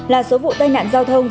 ba mươi bảy là số vụ tai nạn giao thông